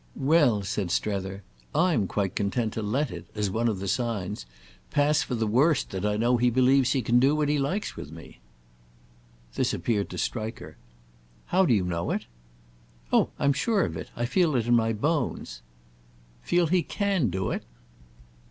"Well," said Strether, "I'm quite content to let it, as one of the signs, pass for the worst that I know he believes he can do what he likes with me." This appeared to strike her. "How do you know it?" "Oh I'm sure of it. I feel it in my bones." "Feel he can do it?"